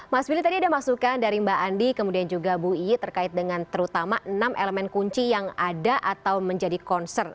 mas willy tadi ada masukan dari mbak andi kemudian juga bu iyi terkait dengan terutama enam elemen kunci yang ada atau menjadi concern